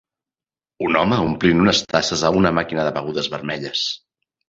Un home omplint unes tasses a una màquina de begudes vermelles